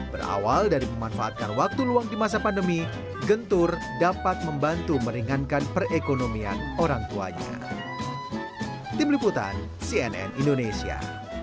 berawal dari memanfaatkan waktu luang di masa pandemi gentur dapat membantu meringankan perekonomian orang tuanya